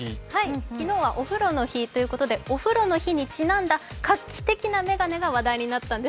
昨日はお風呂の日ということで、お風呂の日にちなんだ画期的な眼鏡が出たんです。